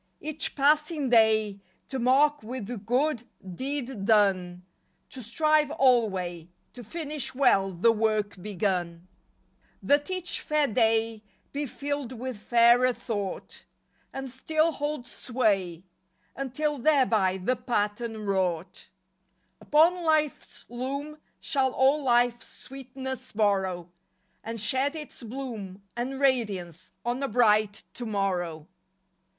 Each passing day To mark with good deed done, To strive alway To finish well the work begun, That each fair day Be filled with fairer thought, And still hold sway, Until thereby the pattern wrought Upon life's loom Shall all life's sweetness borrow. And shed its bloom And radiance on a bright tomorrow.